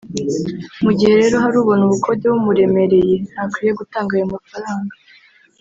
mu gihe rero hari ubona ubukode bumuremereye ntakwiye gutanga ayo mafaranga